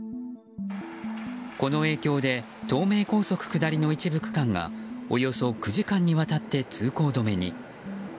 この影響で東名高速下りの一部区間がおよそ９時間にわたって通行止めに。